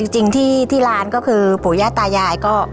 จริงที่ร้านก็คือปู่ย่าตายายก็